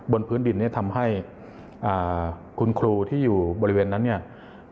บนพื้นดินเนี่ยทำให้คุณครูที่อยู่บริเวณนั้นเนี่ย